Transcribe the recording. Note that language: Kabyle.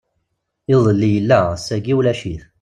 Iḍelli yella, ass-agi ulac-it!